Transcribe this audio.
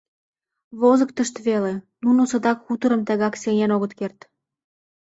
Возыктышт веле, нуно садак хуторым тегак сеҥен огыт керт.